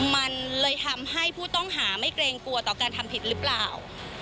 มันเลยทำให้ผู้ต้องหาไม่เกรงกลัวต่อการทำผิดหรือเปล่า